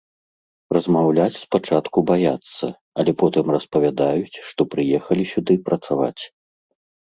Размаўляць спачатку баяцца, але потым распавядаюць, што прыехалі сюды працаваць.